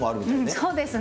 そうですね。